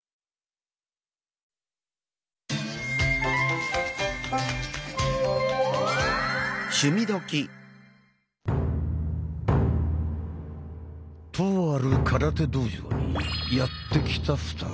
とある空手道場にやって来た２人。